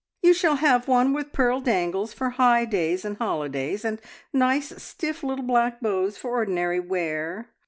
"You shall have one with pearl dangles for high days and holidays, and nice, stiff little black bows for ordinary wear.